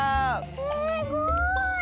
すごい。